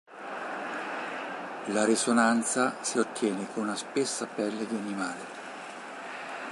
La risonanza si ottiene con una spessa pelle di animale.